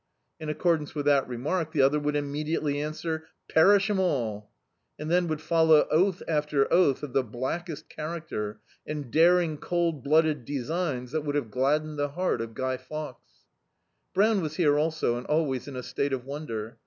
In accordance with that remark, the other would immediately answer — "Perish 'em all." And then would follow oath after oath of the blackest character, and daring cold blooded designs that would have gladdened the heart of Gmy Fawkes. Brown was also here, and always in a state of won der.